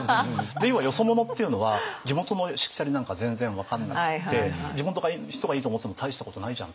で要はよそ者っていうのは地元のしきたりなんか全然分かんなくって地元の人がいいと思ってても大したことないじゃんと。